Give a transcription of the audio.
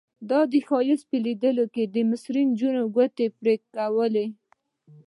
د ښایست په لیدو یې د مصر نجونو ګوتې پرې کولې.